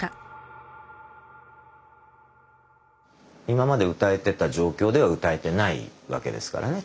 今まで歌えてた状況では歌えてないわけですからね